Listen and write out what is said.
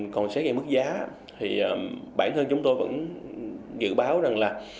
còn xét về mức giá thì bản thân chúng tôi vẫn dự báo rằng là